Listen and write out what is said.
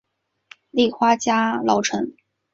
立花家老臣。